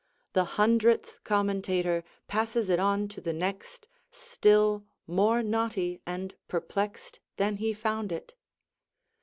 The hundredth commentator passes it on to the next, still more knotty and perplexed than he found it.